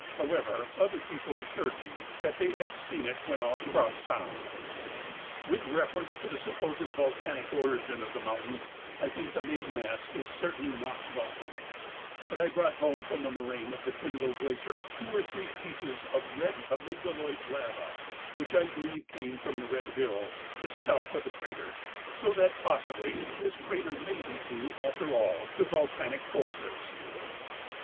However, other people assured me they had seen it when off Cross Sound. With reference to the supposed volcanic origin of the mountain, I think the main mass is certainly not volcanic; but I brought home from the moraine of the Tyndall Glacier two or three pieces of red amygdaloid lava, which I believe came from the Red Hills just south of the 'crater,' so that, possibly, this crater may be due, after all, to volcanic forces.